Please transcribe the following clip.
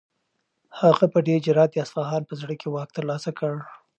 هغه په ډېر جرئت د اصفهان په زړه کې واک ترلاسه کړ.